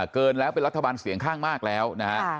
เกินแล้วเป็นรัฐบาลเสียงข้างมากแล้วนะฮะ